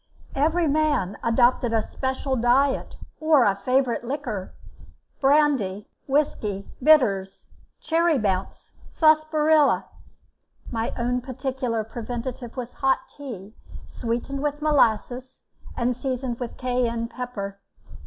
Every man adopted a special diet or a favourite liquor brandy, whiskey, bitters, cherry bounce, sarsaparilla. My own particular preventive was hot tea, sweetened with molasses and seasoned with cayenne pepper.